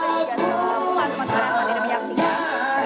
semua teman teman yang tidak menyaksikan